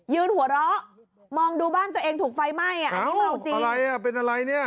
หัวเราะมองดูบ้านตัวเองถูกไฟไหม้อ่ะอันนี้เอาจริงอะไรอ่ะเป็นอะไรเนี่ย